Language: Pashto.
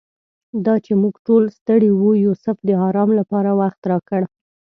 دا چې موږ ټول ستړي وو یوسف د آرام لپاره وخت راکړ.